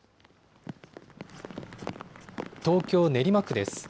東京・練馬区です。